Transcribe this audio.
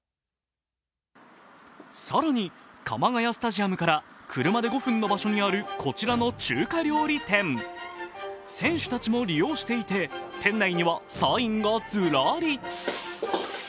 更に鎌ケ谷スタジアムから車で５分の場所にあるこちらの中華料理店選手たちも利用していて店内にはサインが、ずらり。